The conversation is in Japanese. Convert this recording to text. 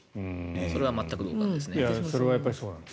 それは全く同感ですね。